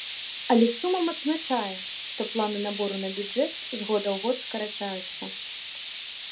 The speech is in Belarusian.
Але з сумам адзначае, што планы набору на бюджэт з года ў год скарачаюцца.